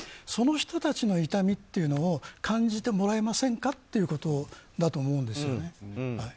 その人たちの痛みというのを感じてもらえませんかということだと思うんですよね。